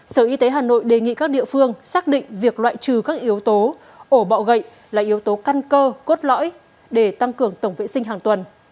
sở y tế hà nội đề nghị các địa phương xác định việc loại trừ các yếu tố ổ bọ gậy là yếu tố căn cơ cốt lõi để tăng cường tổng vệ sinh hàng tuần